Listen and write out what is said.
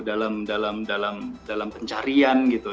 dalam dalam dalam dalam pencarian gitu